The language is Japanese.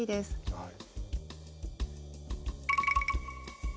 はい。